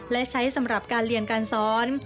และใช้สำหรับการเรียนการสอน